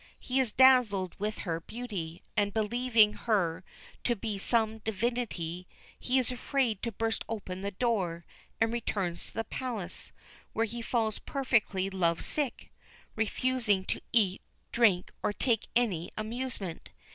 He is dazzled with her beauty, and believing her to be some divinity, he is afraid to burst open the door, and returns to the palace, where he falls perfectly love sick, refusing to eat, drink, or take any amusement.